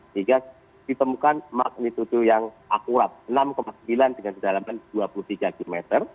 sehingga ditemukan magnitudo yang akurat enam sembilan dengan kedalaman dua puluh tiga km